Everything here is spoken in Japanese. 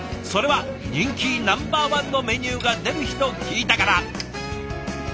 それは人気ナンバーワンのメニューが出る日と聞いたから。